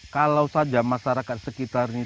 kalau saja masyarakat sekitarnya